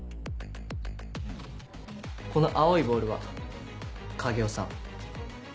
この青いボールは影尾さん。